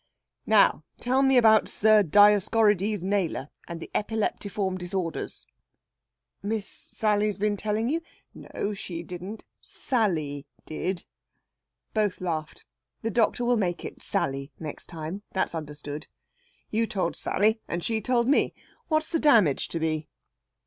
"Now tell me about Sir Dioscorides Nayler and the epileptiform disorders." "Miss Sally's been telling you...." "No, she didn't Sally did." Both laughed. The doctor will make it Sally next time that's understood. "You told Sally and she told me. What's the damage to be?"